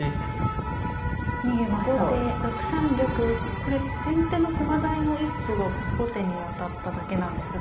これ先手の駒台の一歩が後手に渡っただけなんですが。